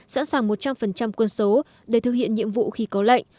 sẵn sàng một trăm linh quân số để thực hiện nhiệm vụ khi có lệnh